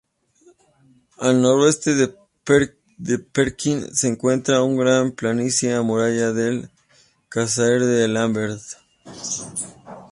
Al noroeste de Perkin se encuentra la gran planicie amurallada del cráter D'Alembert.